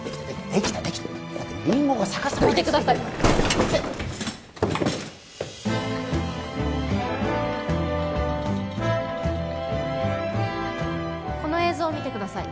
イテッこの映像を見てください